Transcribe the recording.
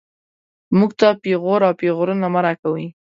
موږ ته پېغور او پېغورونه مه راکوئ